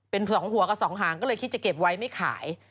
เป็น๒หัวกับสองหางก็เลยคิดจะเก็บไว้ไม่ขาย